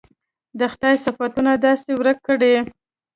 د خدای صفتونه داسې درک کړي.